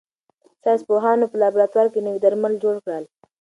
ساینس پوهانو په لابراتوار کې نوي درمل جوړ کړل.